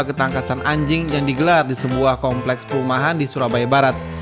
ketangkasan anjing yang digelar di sebuah kompleks perumahan di surabaya barat